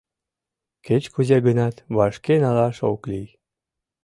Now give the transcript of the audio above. Кеч-кузе гынат, вашке налаш ок лий...